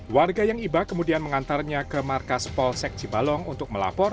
warga yang iba kemudian mengantarnya ke markas polsek cibalong untuk melapor